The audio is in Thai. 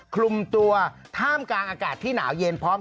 คลุมตัวท่ามกลางอากาศที่หนาวเย็นพร้อม